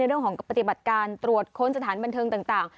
เรื่องของปฏิบัติการตรวจค้นสถานบันเทิงต่าง